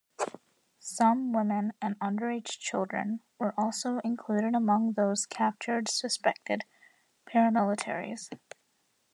Some women and underaged children were also included among those captured suspected paramilitaries.